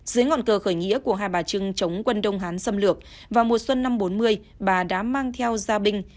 dưới ngọn cờ khởi nghĩa của hai bà trưng chống quân đông hán xâm lược vào mùa xuân năm bốn mươi bà đã mang theo gia binh